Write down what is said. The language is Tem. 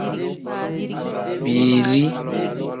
Biili.